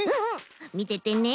みててね。